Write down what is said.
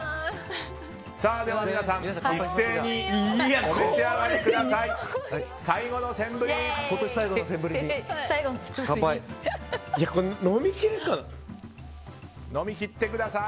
では皆さん一斉にお召し上がりください。